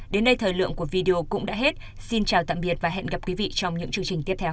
đến đây thời lượng của video cũng đã hết xin chào tạm biệt và hẹn gặp quý vị trong những chương trình tiếp theo